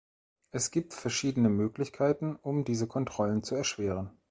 Es gibt verschiedene Möglichkeiten, um diese Kontrollen zu erschweren.